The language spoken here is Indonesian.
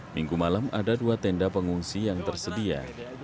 minggu malam ada dua tenda pengungsi yang tersedia